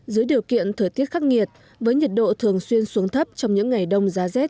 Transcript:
dưới điều kiện thời tiết khắc nghiệt với nhiệt độ thường xuyên xuống thấp trong những ngày đông giá rét